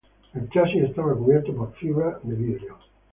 El chasis estaba cubierto por fibra de vidrio.